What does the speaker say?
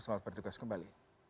selamat bertugas kembali